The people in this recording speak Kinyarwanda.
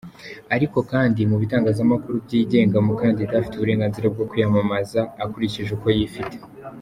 Ariko kandi mu bitangazamakuru byigenga umukandida afite uburenganzira bwo kwiyamamaza akurikije uko yifite.